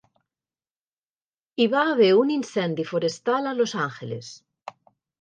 Hi va haver un incendi forestal a Los Angeles.